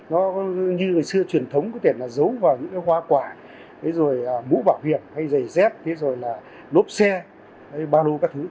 nó như ngày xưa truyền thống có thể là dấu vào những hoa quả mũ bảo hiểm giày dép lốp xe băng đô các thứ